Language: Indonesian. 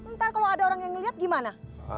ntar kalau ada orang yang ngeliat gimana